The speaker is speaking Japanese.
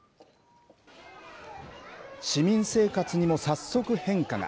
市民生活にも早速変化が。